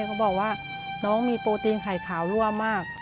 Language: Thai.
เขาบอกว่าน้องมีโปรตีนไข่ขาวร่วมมาก